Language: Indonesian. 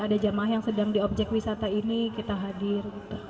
ada jamaah yang sedang di objek wisata ini kita hadir